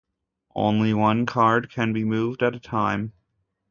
Only one card can be moved at a time.